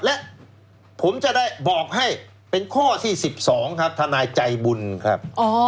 และผมจะได้บอกให้เป็นข้อที่๑๒ครับทนายใจบุญครับ